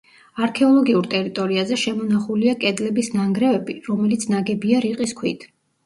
არქეოლოგიურ ტერიტორიაზე შემონახულია კედლების ნანგრევები, რომელიც ნაგებია რიყის ქვით.